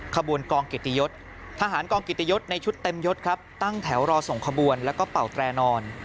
ขบวนกองเกียรติยศทหารกองกิตยศในชุดเต็มยศครับตั้งแถวรอส่งขบวนแล้วก็เป่าแตรนอน